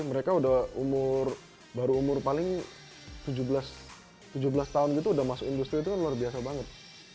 mereka udah umur paling tujuh belas tahun gitu udah masuk industri itu kan luar biasa banget